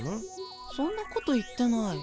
そんなこと言ってない。